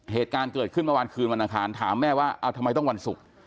เหตุการณ์เกิดขึ้นเมื่อวานคืนวันอังคารถามแม่ว่าเอาทำไมต้องวันศุกร์